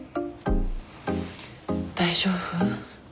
大丈夫？